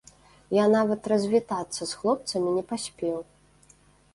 Я нават развітацца з хлопцамі не паспеў.